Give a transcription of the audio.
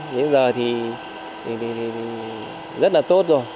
bây giờ thì rất là tốt rồi